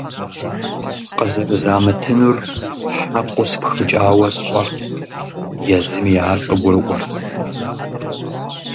Къызэрызамытынур хьэкъыу спхыкӀауэ сщӀэрт, езыми ар къыгурыӀуэрт.